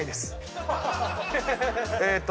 えーっと。